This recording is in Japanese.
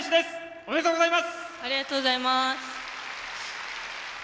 ありがとうございます。